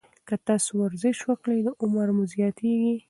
که تاسي ورزش وکړئ، نو عمر مو زیاتیږي.